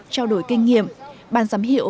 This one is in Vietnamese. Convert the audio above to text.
trao đổi kinh nghiệm bàn giám hiệu